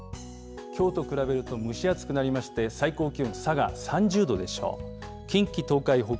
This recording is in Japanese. きょうと比べると蒸し暑くなりまして、最高気温、佐賀３０度でしょう。